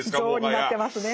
像になってますね。